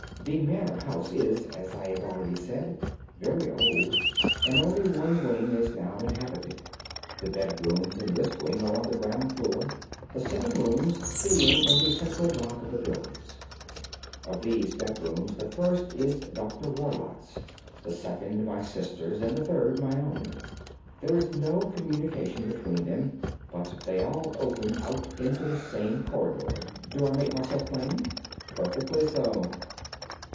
The manor house is, as I have already said, very old, and only one wing is now inhabited. The bedrooms in this wing are on the ground floor, the sitting rooms being in the central block of the buildings. Of these bedrooms the first is Dr. Roylott's, the second my sister's, and the third my own. There is no communication between them, but they all open out into the same corridor. Do I make myself plain?" "Perfectly so."